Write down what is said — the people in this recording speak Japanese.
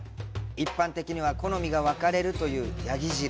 一般的には好みが分かれるという山羊汁。